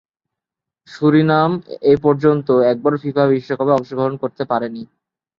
Surinam এপর্যন্ত একবারও FIFA বিশ্বকাপে অংশগ্রহণ করতে পারেনি।